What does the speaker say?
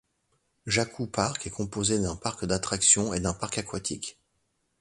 Jacquou parc est composé d'un parc d'attractions et d'un parc aquatique.